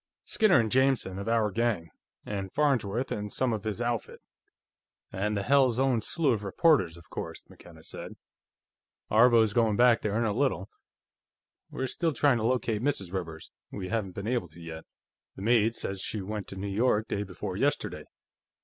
"Skinner and Jameson, of our gang. And Farnsworth, and some of his outfit. And the hell's own slew of reporters, of course," McKenna said. "Aarvo's going back there, in a little. We're still trying to locate Mrs. Rivers; we haven't been able to, yet. The maid says she went to New York day before yesterday."